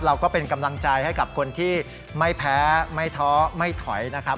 เราก็เป็นกำลังใจให้กับคนที่ไม่แพ้ไม่ท้อไม่ถอยนะครับ